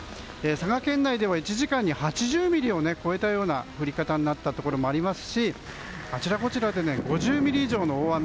佐賀県内では１時間で８０ミリを超えたような降り方になったところもありますし、あちらこちらで５０ミリ以上の大雨。